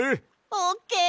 オッケー！